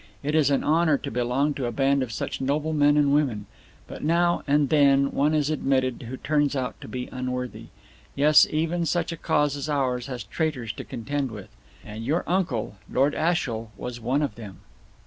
It is an honour to belong to a band of such noble men and women. But now and then one is admitted who turns out to be unworthy. Yes, even such a cause as ours has traitors to contend with. And your uncle, Lord Ashiel, was one of them."